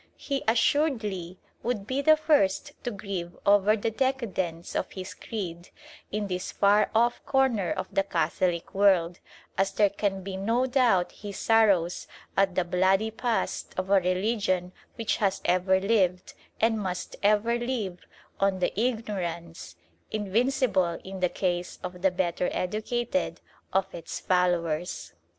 He, assuredly, would be the first to grieve over the decadence of his creed in this far off corner of the Catholic world, as there can be no doubt he sorrows at the bloody past of a religion which has ever lived, and must ever live, on the ignorance invincible in the case of the better educated of its followers.